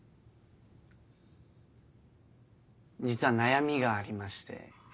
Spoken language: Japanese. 実は悩みがありまして。